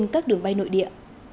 các đường bay nội địa